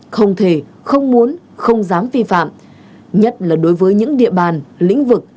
không thể không muốn không dám vi phạm nhất là đối với những địa bàn lĩnh vực